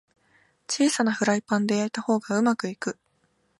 小さなフライパンで焼いた方がうまくいく